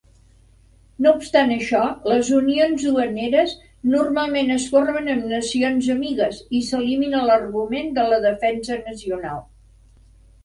No obstant això, les unions duaneres normalment es formen amb nacions amigues i s'elimina l'argument de la defensa nacional.